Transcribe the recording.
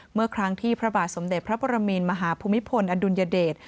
เมื่อครั้งที่พระบาทสมเด็จพระปรมินมหาภูมิพลอดุลยเดช